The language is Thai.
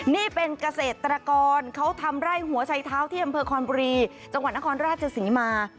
นี่เป็นเกษตรกรเขาทำไร่หัวชัยเท้าที่อำเภอคอนบุรีจังหวัดนครราชศรีมา